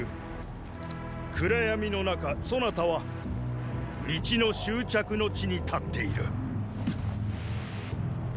暗闇の中そなたは道の終着の地に立っている。